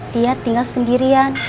dia tinggal sendirian